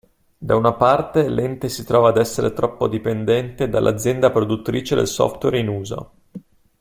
Da una parte l'ente si trova ad essere troppo dipendente dall'azienda produttrice del software in uso.